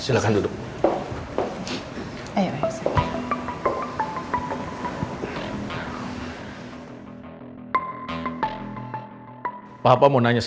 aku tidak mampu mengatakan perbuatan elsa